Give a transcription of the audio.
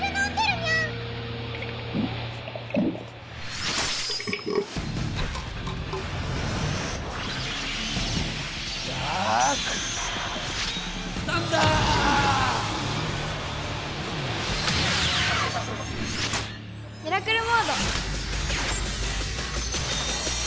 ミラクルモード！